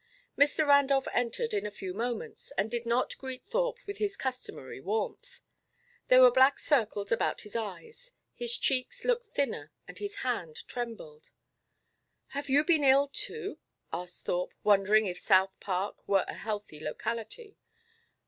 Mr. Randolph entered in a few moments, and did not greet Thorpe with his customary warmth. There were black circles about his eyes. His cheeks looked thinner and his hand trembled. "Have you been ill, too?" asked Thorpe, wondering if South Park were a healthy locality.